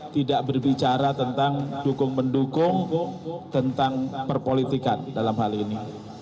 tidak berbicara tentang dukung mendukung tentang perpolitikan dalam hal ini